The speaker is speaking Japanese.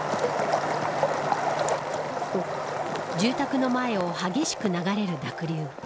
住宅の前を激しく流れる濁流。